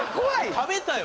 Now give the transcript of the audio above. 食べたよ